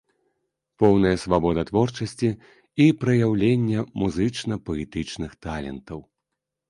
Поўная свабода творчасці і праяўлення музычна-паэтычных талентаў.